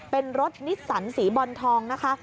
เป็นรถนิสสันสีบอลทองนะคะ